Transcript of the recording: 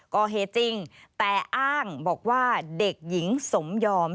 ก่อเหตุจริงแต่อ้างบอกว่าเด็กหญิงสมยอม